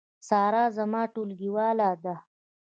سارا زما ټولګیواله ده